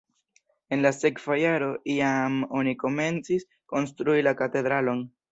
En la sekva jaro jam oni komencis konstrui la katedralon.